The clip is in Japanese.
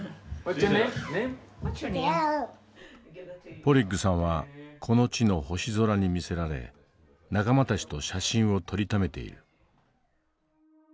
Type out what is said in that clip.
ポリッグさんはこの地の星空に魅せられ仲間たちと写真を撮りためている。